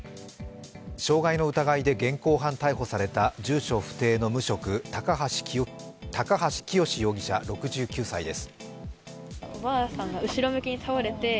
傷害の疑いで現行犯逮捕された住所不定の無職、高橋清容疑者６９歳です。